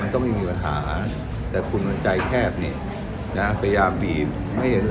ต้องไม่มีปัญหาแต่คุณวันใจแคบเนี่ยนะพยายามบีบไม่เห็นเหรอ